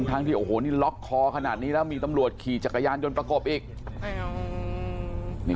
ทั้งที่โอ้โหนี่ล็อกคอขนาดนี้แล้วมีตำรวจขี่จักรยานยนต์ประกบอีก